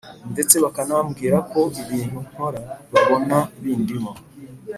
ndetse bakanambwira ko ibintu nkora babona bindimo,